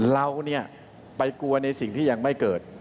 เราไปกลัวในสิ่งที่ยังไม่เกิด